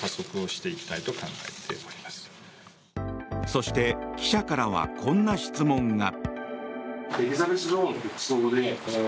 そして記者からはこんな質問が。